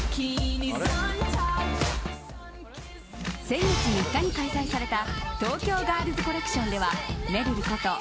先月３日に開催された東京ガールズコレクションではめるること